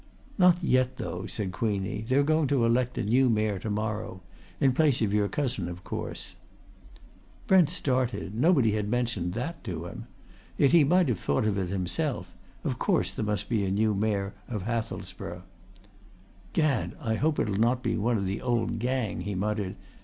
"Not yet, though," said Queenie. "They're going to elect a new Mayor to morrow. In place of your cousin of course." Brent started. Nobody had mentioned that to him. Yet he might have thought of it himself of course there must be a new Mayor of Hathelsborough. "Gad! I hope it'll not be one of the old gang!" he muttered.